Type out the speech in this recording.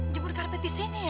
jemur karpet di sini ya